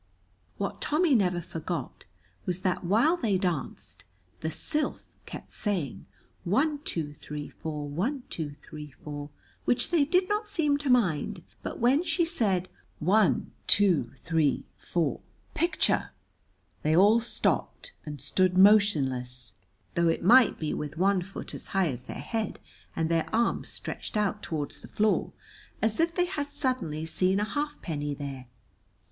What Tommy never forgot was that while they danced the Sylph kept saying, "One, two, three, four; one, two, three, four," which they did not seem to mind, but when she said "One, two, three, four, picture!" they all stopped and stood motionless, though it might be with one foot as high as their head and their arms stretched out toward the floor, as if they had suddenly seen a halfpenny there.